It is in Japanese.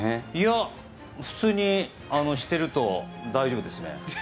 普通にしてると大丈夫ですね。